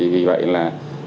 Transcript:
vì vậy là